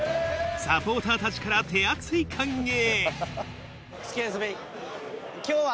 サポーターたちから手厚い歓迎